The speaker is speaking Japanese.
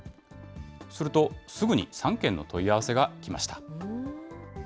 すると、すぐに３件の問い合わせが来ました。